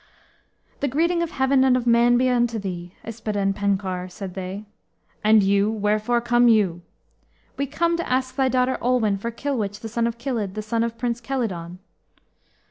"The greeting of Heaven and of man be unto thee, Yspadaden Penkawr," said they. "And you, wherefore come you?" "We come to ask thy daughter Olwen for Kilwich, the son of Kilydd, the son of Prince Kelyddon."